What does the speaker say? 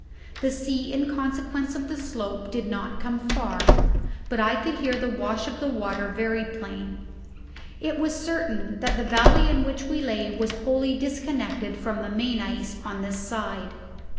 The sea in consequence of the slope did not come so far, but I could hear the wash of the water very plain. It was certain that the valley in which we lay was wholly disconnected from the main ice on this side.